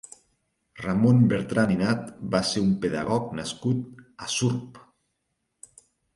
Ramon Bertran i Nat va ser un pedagog nascut a Surp.